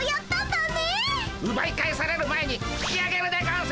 うばい返される前に引きあげるでゴンス！